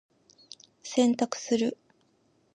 洗濯する。